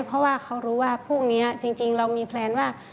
เพราะว่าเขารู้ว่าพรุ่งนี้จริงเรามีแพลนว่า